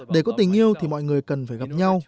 để có tình yêu thì mọi người cần phải gặp nhau